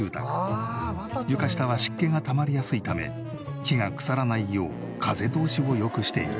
床下は湿気がたまりやすいため木が腐らないよう風通しを良くしている。